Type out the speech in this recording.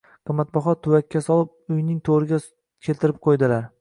qimmatbaho tuvakka solib, uyning to’riga keltirib qo’ydilar.